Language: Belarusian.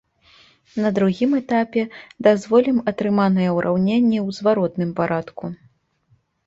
На другім этапе дазволім атрыманыя ўраўненні ў зваротным парадку.